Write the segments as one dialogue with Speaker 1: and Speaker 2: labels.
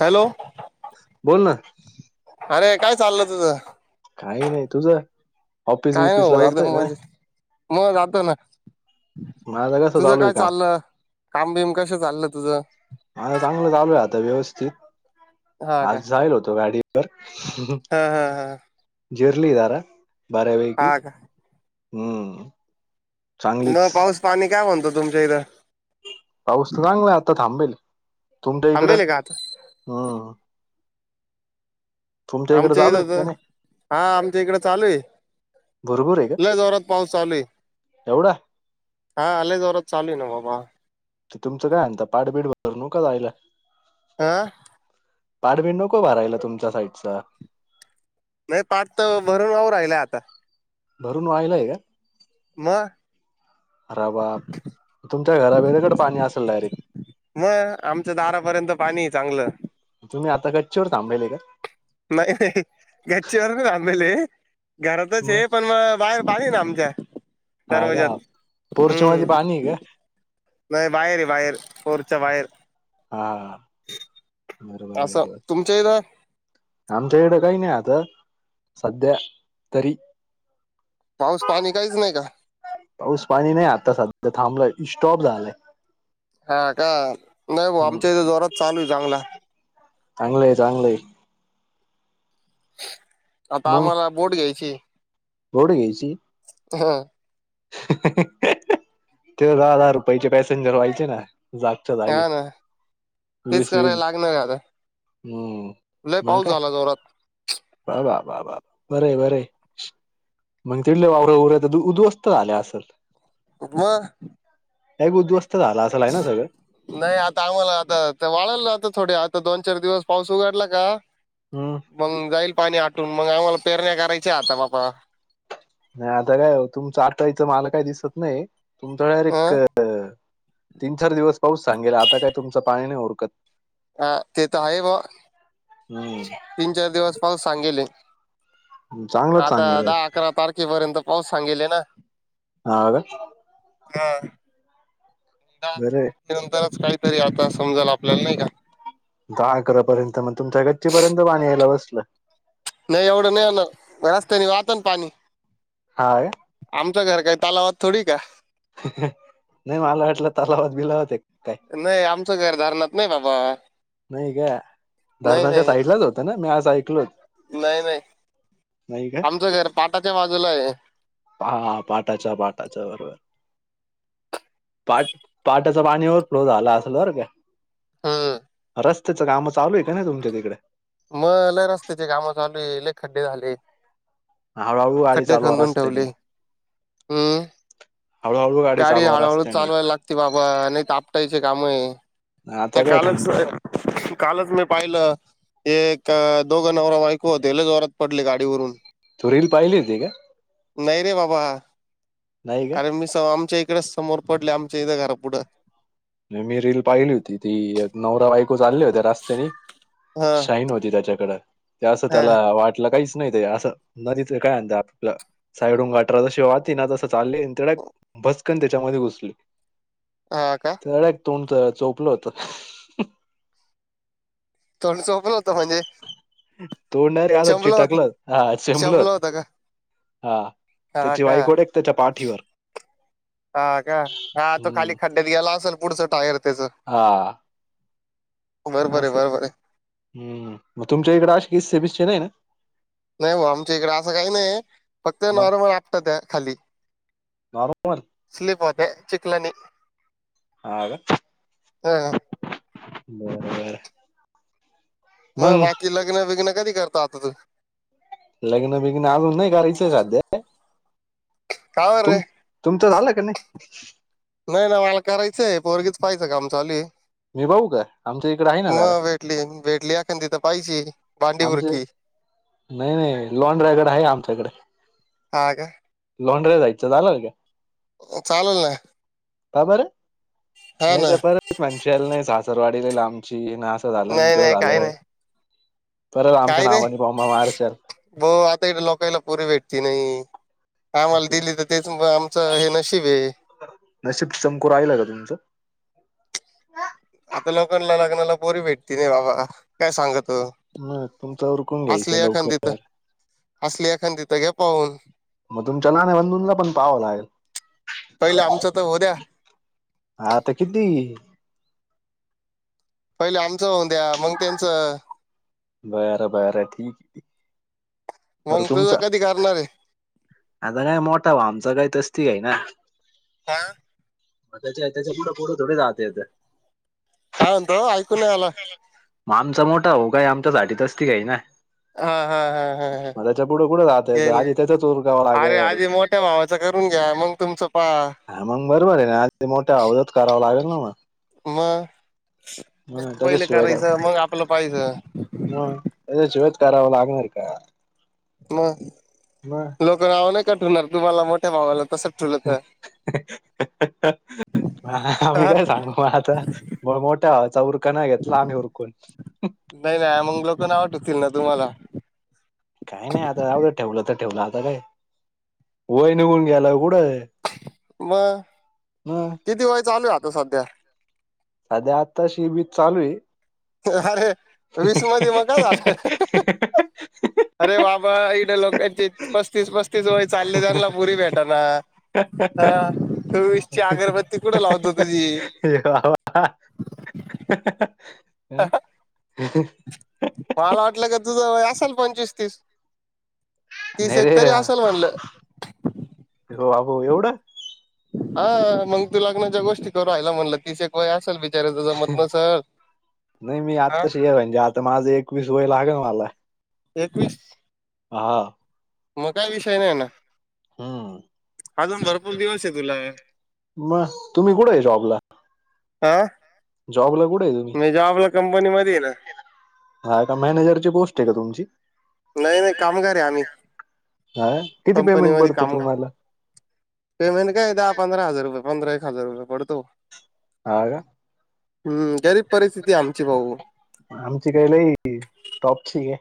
Speaker 1: Hello
Speaker 2: बोल ना.
Speaker 1: अरे काय चाललं तुझं.
Speaker 2: काही नाही तुझ ऑफिस
Speaker 1: काय नाही
Speaker 2: बिपिस ला
Speaker 1: भाऊ एकदम
Speaker 2: जातोय का नाही.
Speaker 1: मजेत मग जातो ना.
Speaker 2: माझं कसं
Speaker 1: तुझं
Speaker 2: चालू आहे
Speaker 1: काय
Speaker 2: काम
Speaker 1: चालल काम बिम कस चालल तुझ.
Speaker 2: मझला चांगलं चालू आहे आता व्यवस्थित
Speaker 1: हा का
Speaker 2: आज जाईल होतो गाडीवर
Speaker 1: हा हा हा.
Speaker 2: जिर्ली दार बर्या वैकी
Speaker 1: हा का
Speaker 2: हम्म.
Speaker 1: न
Speaker 2: चांगलीच
Speaker 1: पाऊस पाणी काय म्हणतो तुमच्या इथं.
Speaker 2: पाऊस चांगला आहे आता थांबेल. तुमच्या इकडं
Speaker 1: थांबेल आहे का आता
Speaker 2: हम्.
Speaker 1: आमच्या इथं
Speaker 2: का
Speaker 1: तर
Speaker 2: नाही
Speaker 1: हा आमच्या इकड चालू आहे.
Speaker 2: भरपूर आहे का
Speaker 1: आज वरात पाव चालू आहे
Speaker 2: एवढा
Speaker 1: हा आलेज वरात चालूय ना भाऊ वा.
Speaker 2: ते तुमचं काय आहेता पाठबीठ भर नू का जायला.
Speaker 1: आह.
Speaker 2: पाडवी नको भारयला तुमच्या साईडच
Speaker 1: नाही पाठ तर भरून ना राहिला आता
Speaker 2: भरून वायलाय का?
Speaker 1: [unintelligible]
Speaker 2: ह बा तुमच्या घरा वेळेकडे पाणी असेल डायरेक्ट
Speaker 1: मग आमच दारापर्यंत पाणी चांगलं.
Speaker 2: तुम्ही आता गच्चीवर थांबलेले का
Speaker 1: नई नाहीई गचीी वर आमेल. घरातच आहे पण मग बाहेर पाली ना आमच्या
Speaker 2: हा
Speaker 1: तरर्वजात
Speaker 2: का पोर्च मध्ये पाणी आहे का
Speaker 1: हम्म. नाही बाहेर बाहेर परच्या बाहेर
Speaker 2: हा बरोबर
Speaker 1: असं
Speaker 2: बरोबर
Speaker 1: तुमच्या इथ.
Speaker 2: आमच्या इडं काही नाही आता सध्या तरी
Speaker 1: पाऊस पाणी काहीच नाही का?
Speaker 2: पाऊस पाणी नाही आता सध्या थांबलाय स्टॉप झालंय.
Speaker 1: हा का
Speaker 2: चांगलं आहे, चांगलं आहे
Speaker 1: आता आम्हाला बोट घ्यायची
Speaker 2: होड घ्यायची
Speaker 1: हा
Speaker 2: ते दहा, दहा रुपयाचे पॅसेंजर व्हायचे ना जागच्या जागी
Speaker 1: ना तेच
Speaker 2: वीस
Speaker 1: कराय
Speaker 2: वीस
Speaker 1: लागणार आता
Speaker 2: हम्म
Speaker 1: लय
Speaker 2: मग
Speaker 1: पाऊस
Speaker 2: काय
Speaker 1: झाला जोरात
Speaker 2: बा बाब वा, वा, वा बरे, बरे मग तिडले वावरे उवरे उद्ध्वस्त झाल्या असल
Speaker 1: म
Speaker 2: हेगो दोस्त
Speaker 1: नाही आता आम्हाला आता वाळायला राहता थोडे आ दोन चार दिवस पाऊस उघडला का
Speaker 2: हम्म
Speaker 1: मग जाईल पाणी आ मग आम्हाला पेरण्या करायच्या आता बापा
Speaker 2: नाही आता काय तुमच आटाईच माल काय दिसत नाही तुमचा डायरेक्
Speaker 1: अं
Speaker 2: तीन चार दिवस पाऊस सांगेला आता काय तुमचं पाणी नाही ऊरकत
Speaker 1: हा ते तर आहे ब
Speaker 2: हम्म
Speaker 1: तीन चार दिवस पाऊून सांगेले
Speaker 2: चांगलंच
Speaker 1: आता
Speaker 2: सांगेल
Speaker 1: दहा अकरा तारखेपर्यंत पाऊस सांगेल ना
Speaker 2: हा का
Speaker 1: हा दहा अकरा
Speaker 2: बरे
Speaker 1: तारखे नंतरच काहीतरी आता समजाल आपल्याला नाही का
Speaker 2: दहा अकरापर्यंत मग तुमच्या गच्चीपर्यंत पाणी यायला बसलं
Speaker 1: नाही एवढं नाही ना रस्त्याने वाहत ना पाणी
Speaker 2: हा का?
Speaker 1: तु घर काय तालावद थोडी का
Speaker 2: ह, ह नाही मला वाटलं तलावात बिलावात एक काय
Speaker 1: नाही आमचं घर धरणात नाही बाबा
Speaker 2: नाही काय
Speaker 1: नाही
Speaker 2: धरणाच्या
Speaker 1: नाही
Speaker 2: साईडलाच होतं ना मी आज ऐकलोच
Speaker 1: नाही नाही
Speaker 2: नाही
Speaker 1: आमचं घर पाटाच्या बाजूला आहे
Speaker 2: हा पाटाचा, पाटाचा बरोबर पाट पाटाच पाणी ओवर्ह फ्लो झाला असेल बर का
Speaker 1: हा
Speaker 2: रस्तेचं काम चालू आहे का नाही तुमच्या तिकडे
Speaker 1: मग ल रस्त्याचे काम चालू आहे ल खड्डे झाले
Speaker 2: हळूहळू गाडी
Speaker 1: खड्डे
Speaker 2: चालवा
Speaker 1: खांदून ठेवले
Speaker 2: रस्त्याने
Speaker 1: हम्
Speaker 2: हळूहळू
Speaker 1: गाडी
Speaker 2: चालवा
Speaker 1: हळूहळू
Speaker 2: रस्त्याने
Speaker 1: चालवायला लागती बाबा नाही त फुटायचे काम आहे
Speaker 2: आता
Speaker 1: त्या
Speaker 2: काय थंडी
Speaker 1: कालच कालच मी पाहिलं एक दोघं नवरा बायको होते लई जोरात पडले गाडीवरून
Speaker 2: तू रील पाहिली होती का
Speaker 1: नाही रे बाबा
Speaker 2: नाही का
Speaker 1: अरे मी स आमच्या इकडे समोर पडले आमच्या इथं घरा पुुढं
Speaker 2: मी रील पाहिली होती ती नवरा बायको चालले होते रस्त्याने
Speaker 1: हा
Speaker 2: शाईन होती त्याच्याकडे ते असं
Speaker 1: हा
Speaker 2: त्याला वाटलं काहीसं नाही ते असं नदीच काय आण आपला साईड हून गाठरा जशी वाहती ना तसं चालली धडक बसकन त्याच्यामध्ये घुसले
Speaker 1: हा का
Speaker 2: तोंड चोपल होत
Speaker 1: तोड सोपल होतं म्हणजे
Speaker 2: तोंडाला रे
Speaker 1: चंबलं होत
Speaker 2: चिकटलं आणि चेंबलं
Speaker 1: चंबलं होतं का
Speaker 2: हा
Speaker 1: हा
Speaker 2: त्याची
Speaker 1: का
Speaker 2: वाईकोड एक त्याच्या पाठीवर
Speaker 1: हा का हा तो खाली
Speaker 2: हम्म
Speaker 1: खड्ड्यात ग्यायला असेल पुढचा टायर त्याच
Speaker 2: हा
Speaker 1: बरोबर आहे
Speaker 2: असं
Speaker 1: बरोबर आहे
Speaker 2: हम् मग तुमच्या इकडे अ किस्सेबीसचे नाही ना
Speaker 1: नाही भा आमच्या इकडे असं काही नाही फक्त
Speaker 2: मग
Speaker 1: नॉर्मल आपटत्यात खाली
Speaker 2: नॉर्मल
Speaker 1: हे चिखलानी
Speaker 2: हा का
Speaker 1: ह
Speaker 2: बरोबर
Speaker 1: मग बाकी लग्न बिग्न कधी करत आता तू
Speaker 2: लग्न बिग्न अजून नाही करायचंय साध्या
Speaker 1: कावर रे
Speaker 2: तुम तुमचं तर झालं का नाही
Speaker 1: नाही नाही मला करायचं आहे पोरगीच पाहियं च काम चालू आहे
Speaker 2: मी पाहू का आमच्या इकडे आहे ना दारा
Speaker 1: मग भेटली भेटली अखण तिथ पाहिजे भांडी
Speaker 2: आमचे
Speaker 1: बुरकी
Speaker 2: नाही नाही लॉन ड्रायवर आहे आमच्याकडे
Speaker 1: आ काय
Speaker 2: लॉंड्रे जायचं झालं का
Speaker 1: चालेल ना
Speaker 2: का बर
Speaker 1: हा
Speaker 2: नाही
Speaker 1: ना
Speaker 2: ते पर मंशला नाही सासरवाडी लई लांबची नाही असं झालं आणि
Speaker 1: नाही
Speaker 2: तो
Speaker 1: नाही काही
Speaker 2: झालंय
Speaker 1: नाही काही नाही ब आता इ लोकाला पुरी भेटती नाही आम्हाला दिली तर तेच आमचं हे नशीब आहे
Speaker 2: नसिब चमकू राहिलं का तुमचं
Speaker 1: आता लोकांना लग्नाला पोरी भेटते नाही बाबा काय सांगते
Speaker 2: ह तुमचा उरकून घ्यायचं
Speaker 1: एखादी तर
Speaker 2: लवकर
Speaker 1: असली एखादी तर घे पाहून
Speaker 2: मग तुमच्या ना लहान बंधूला पण पहावं लागेल
Speaker 1: पहिले आमचं तर होऊ द्या
Speaker 2: हा आता किती
Speaker 1: पहिले आमचं होऊन द्या मग त्यांचं
Speaker 2: बर बर ठीक आहे
Speaker 1: मंग तुझा कधी करणार आहे
Speaker 2: आता काय मोठा भाऊ काय आमचा तस ती येईना
Speaker 1: का
Speaker 2: मग त्याच्या त्याच्या पुठ पोढं थोडी राहतेथ
Speaker 1: काय म्हणतो ऐकू नाही आला
Speaker 2: आमचा मोठा भाऊ काय आमच्यासाठी तस ती घेईन
Speaker 1: हा हा हा हा हा
Speaker 2: कुठं जात यायचं
Speaker 1: एल
Speaker 2: आधी त्याचाच उरकावं लागेल
Speaker 1: आधी मोठ्या भावाचं करून घ्या मग तुमचं पहा
Speaker 2: हा मग बरोबर आहे ना आी मोठ्या अवज करावा लागेल ना मग
Speaker 1: मग
Speaker 2: हम
Speaker 1: त्याचं
Speaker 2: त्याच्याच
Speaker 1: पहिले
Speaker 2: शिवाय का
Speaker 1: करायचं मग आपलं पाहिजे
Speaker 2: ह त्याच्याशिवाय का करावां लागणार का
Speaker 1: [inaudible] मग
Speaker 2: मग
Speaker 1: लोक नाव नाही ठेवणार तुम्हाला मोठ्या भावाला तसंच ठेवलं
Speaker 2: [inaudible] ह
Speaker 1: तर
Speaker 2: आम्ही काय सांगू मग आता मोठा चौ कना घेतला आम्ही हरकून [inaudible]
Speaker 1: येतील ना तुम्हाला
Speaker 2: काही नाही आता एवढं ठेवलं तर ठेवलं आता काय [inaudible] वय निघून गेल--कुठं
Speaker 1: [inaudible] मग किती वय चालू आहे आता सध्या
Speaker 2: सध्या आताशी वीस चालू आहे
Speaker 1: अरे वीस मध्ये मग का झालंय अरे बाबा, बाबा इकड लोकांची पस्तीस-पस्तीस वय चालय त्यानला पुरी भेटना, हा चोवीसची अगरबत्ती कुठं लावतो तुझी
Speaker 2: वा-वा हं
Speaker 1: मला वाटलं का तुझं असेल. पंचवीस तीस तीस
Speaker 2: नाही रे
Speaker 1: एकतरी असल म्हणलं
Speaker 2: हो आहो एवढं
Speaker 1: हा मग तू लग्नाच्या गोष्टी करून राहिला म्हणलं तिस एक वय असेल, बिचाऱ्याचं जमत नसल
Speaker 2: नाही मी
Speaker 1: हा
Speaker 2: आत्ताच हे म्हणजे आता माझ एकवीस वय लागल मला,
Speaker 1: एकवीस
Speaker 2: हा
Speaker 1: मग काही विषय नाही ना.
Speaker 2: हम्
Speaker 1: अजून भरपूर दिवस आहे तुला,
Speaker 2: मग तुम्ही कुठे आहे जॉबला?
Speaker 1: आ
Speaker 2: जॉब ला कुठ आहे, तुम्ही?
Speaker 1: मध्ये आहे ना
Speaker 2: हा का मॅनेजरची पोस्ट आहे का तुमची?
Speaker 1: नाही नाही कामगार आम्ही,
Speaker 2: हा किती
Speaker 1: कंपनी
Speaker 2: पेमेंट
Speaker 1: मध्ये
Speaker 2: पडतं
Speaker 1: काम
Speaker 2: तुम्हाला
Speaker 1: पेमेंट काय दहा पंधरा हजार रुपये. पंधरा एक हजार रुपये पडतो.
Speaker 2: हो का
Speaker 1: हम्म गरीब परिस्थिती आहे आमची भाऊ
Speaker 2: आमची काही लई टॉपची आहे.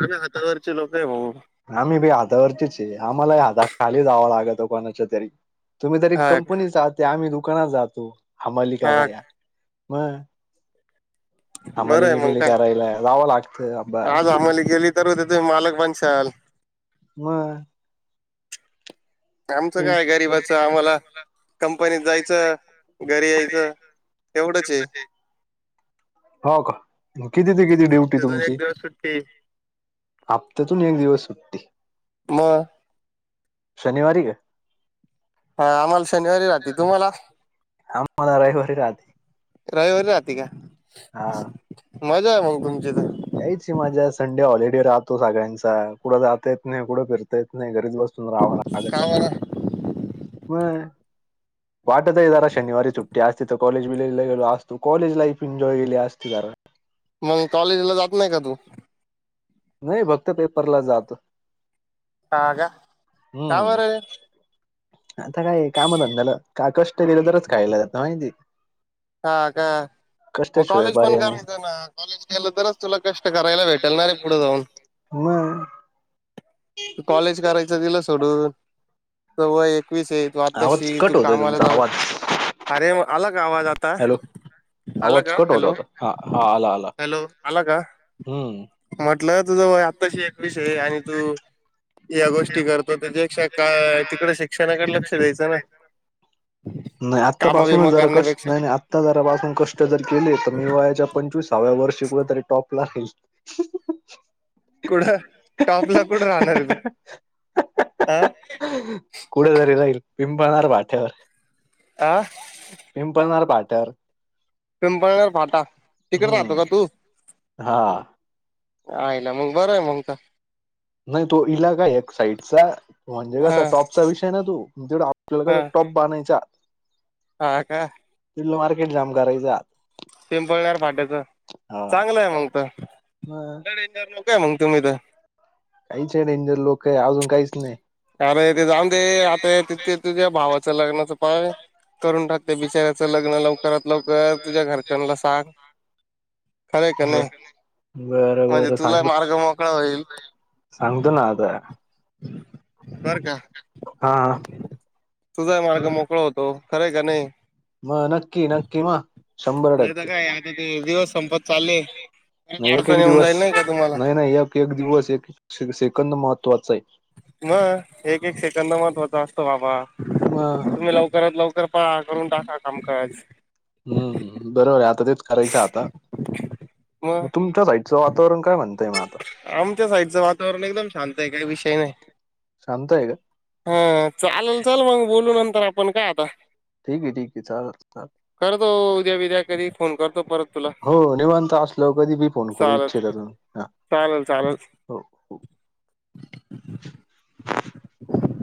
Speaker 1: आम्ही हातावरचे लोक आहे भाऊ
Speaker 2: आम्ही बी हातावरचे आहे. आम्हालाही हाताखाली जावं लागतो कोणाच्या तरी, तुम्ही तर एक
Speaker 1: हा
Speaker 2: कंपनी जाताय आम्ही दुकानात जातो हमाली
Speaker 1: हा
Speaker 2: कराया. होय.
Speaker 1: बर आहे मंग काय
Speaker 2: जावं लागतं आबा
Speaker 1: आज हामाली केली तर त मालक बन त्याल.
Speaker 2: ह
Speaker 1: आमचं काय गरीबाच आम्हाला कंपनीत जायचं घरी यायचं. एवढंच हाय
Speaker 2: आहे. हो का किती ते किती ड्युटी
Speaker 1: हप्त्यातून
Speaker 2: तुमची?
Speaker 1: एक दिवस सुट्टी
Speaker 2: हप्त्यातून एक दिवस सुट्टी.
Speaker 1: मग
Speaker 2: शनिवारी का?
Speaker 1: हा आम्हाला शनिवारी राहते तुम्हाला?
Speaker 2: आम्हाला रविवारी राहते.
Speaker 1: रविवार राहती का?
Speaker 2: हा
Speaker 1: मज्जा आहे मग तुमची तर,
Speaker 2: यायची मज्जा संडे हॉलिडे राहतो. सगळ्यांचा कुठं जात येत नाही कुठं फिरता येत नाही घरीच बस सून राहावं लागत
Speaker 1: कामाला
Speaker 2: मग. वाटतय जरा शनिवारी सुट्टी असती. कॉलेज बीलेज ला गेलो असतो. कॉलेज लाईफ एन्जॉय केली असती कारण,
Speaker 1: मग कॉलेजला जात नाही का तू
Speaker 2: नाही फक्त पेपरला जातो.
Speaker 1: आग का
Speaker 2: हम्म
Speaker 1: बरं?
Speaker 2: आता काय काम धंद्याला का कष्ट केलं तरच खायला जातं माहिती का
Speaker 1: हा का मग
Speaker 2: कष्टाशिवाय
Speaker 1: कॉलेज पण
Speaker 2: पर्याय नाही
Speaker 1: करायचं ना कॉलेज केलं तरच तुला कष्ट कराला भेटलणार पुढ जाऊन
Speaker 2: मग
Speaker 1: त कॉलेज करायच तला सोडून तर व एक स आहे तू
Speaker 2: आवाज
Speaker 1: आताशी तू
Speaker 2: कट होतोय
Speaker 1: काम आला
Speaker 2: तुमचा
Speaker 1: जा
Speaker 2: आवाज
Speaker 1: अरे म आला का आवाज
Speaker 2: हॅलो आवाज
Speaker 1: अला
Speaker 2: कट होत होता हा हा आला आला
Speaker 1: हॅलो-हॅलो अलाग
Speaker 2: हम्म
Speaker 1: म्हटलं तुझ आत्ताशी एक विषय आणि तू या गोष्टी करतो त्याच्याक्षा काय तिकडे शिक्षणाकडे लक्ष द्यायचं ना?
Speaker 2: नाही
Speaker 1: काम बिम
Speaker 2: आत्तापासूनच जरा कष्ट
Speaker 1: करण्यापेक्षा
Speaker 2: नाही-नाही आत्ता जरापासून कष्ट जर केले तर मीवायाच्या पै पंचवीसाव्या वर्षी कुठ तरी टॉप लागेल.
Speaker 1: कुड टॉप ला कुड राहणार तु
Speaker 2: [unintelligible] कुड तरी राहीन पिंपणार बाठ्यावर.
Speaker 1: आ,
Speaker 2: पिंपलणारर पाट्यावर
Speaker 1: पिंपळगर फाटा तिकडे राहतो का तू?
Speaker 2: हा
Speaker 1: [inaudible] आईला मग बरं आहे मग त
Speaker 2: नाही तो इला काय एक साईडचा म्हणजे
Speaker 1: हा
Speaker 2: कसा टॉपचा विषय ना तो आपल्याला
Speaker 1: हा
Speaker 2: कसप प बायच्या
Speaker 1: हा का?
Speaker 2: त मार्केट जाम करायचात
Speaker 1: पिंपळण्या फाट्याच चांगलं आहे मग त
Speaker 2: मग
Speaker 1: [unintelligible] काय मग तुम्ही तर
Speaker 2: काहीच आहे डेंजर लोक आहे अजून काहीच नाही.
Speaker 1: अरे ते जाणते आता तिथके तुझ्या भावाच लग्नाचं पाय करून टाक ते बिचारऱ्याचं लग्न लवकरात लवकर तुझ्या घरच्यांला सांग खरंय का नाही
Speaker 2: [unintelligible] बरं
Speaker 1: म्हणजे
Speaker 2: बर
Speaker 1: तुला
Speaker 2: सांग
Speaker 1: मार्ग मोकळा होईल
Speaker 2: सांगतो ना आता
Speaker 1: बर का
Speaker 2: हा
Speaker 1: [inaudible] तुझाय मार्ग मोकळ होतो खरंय का नाही?
Speaker 2: मग नक्की
Speaker 1: [inaudible]
Speaker 2: नक्की मग शंभर
Speaker 1: नाही तर
Speaker 2: टक्के
Speaker 1: काय आता ते दिवस संपत चालले. परत
Speaker 2: नाही एक
Speaker 1: अडचण
Speaker 2: एक
Speaker 1: येऊन
Speaker 2: दिवस
Speaker 1: जाईल नाही का तुम्हाला
Speaker 2: नाही-नाही एक एक दिवस एक सेकंद महत्वाचा आहे.
Speaker 1: म एक एक सेकंद महत्त्वाचा असतो बाबा तुम्ही लवकरात लवकर कर करून टाकाका कामकाज
Speaker 2: हम्मम बरोबर आहे आता तेच करायच आता मग तुमच्या साईडच वातावरण काय म्हणतय मग आता
Speaker 1: आमच्या साईडचं वातावरण एकदम शांत काही विषय नाही
Speaker 2: शांत आहे का
Speaker 1: [inaudible] हा चालेल चल मग बोलून तर आपण का आता [inaudible]
Speaker 2: ठीक आहे ठीक आहे चालेल चालेल
Speaker 1: करतो उद्या विद्या कधी फोन करतो परत तुला
Speaker 2: [inaudible] हो निवांत असलं कधी मी फोन करू इच्छ करून ह
Speaker 1: चालेल-चालेल.
Speaker 2: हो-हो.
Speaker 1: [inaudible]
Speaker 2: [inaudible]